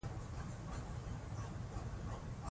د تاریخي کتابونو لوستل موږ له خپل تیر او تمدن سره نښلوي.